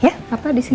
iya papa di sini